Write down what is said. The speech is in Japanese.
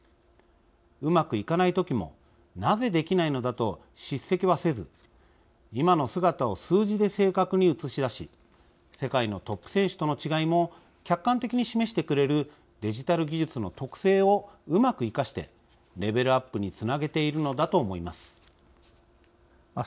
うまくいかないときもなぜできないのだと叱責はせず今の姿を数字で正確に映し出し世界のトップ選手との違いも客観的に示してくれるデジタル技術の特性をうまく生かしてレベルアップにつなげているのだと思います。